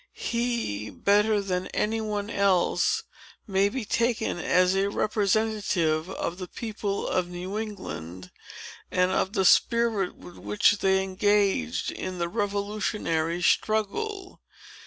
He, better than any one else, may be taken as a representative of the people of New England, and of the spirit with which they engaged in the revolutionary struggle.